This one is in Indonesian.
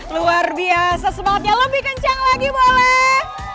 luar biasa semangatnya lebih kencang lagi boleh